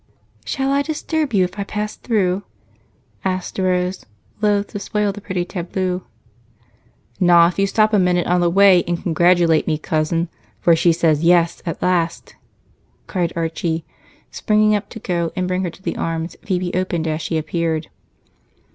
"Shall I disturb you if I pass through?" asked Rose, loath to spoil the pretty tableau. "Not if you stop a minute on the way and congratulate me, Cousin, for she says 'yes' at last!" cried Archie, springing up to go and bring her to the arms Phebe opened as she appeared.